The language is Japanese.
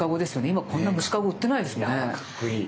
今こんな虫かご売ってないですよね。